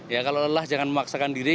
ya kalau lelah jangan memaksakan diri